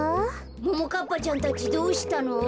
ももかっぱちゃんたちどうしたの？